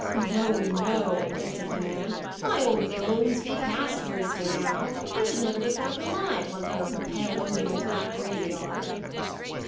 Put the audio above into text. "No, no," answered the man. "My old bones be past hoisting now. I should never get back alive, once I were propelled over into that graveyard."